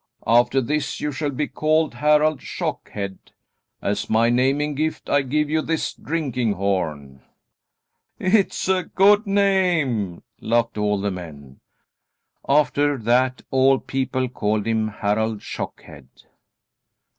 After this you shall be called Harald Shockhead. As my naming gift I give you this drinking horn." "It is a good name," laughed all the men. After that all people called him Harald Shockhead.